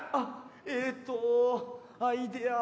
えっとアイデア。